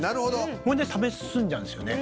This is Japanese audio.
それで食べ進んじゃうんですね。